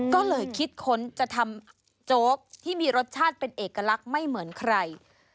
ก็เลยคิดค้นจะทำโจ๊กที่มีรสชาติเป็นเอกลักษณ์ไม่เหมือนใคร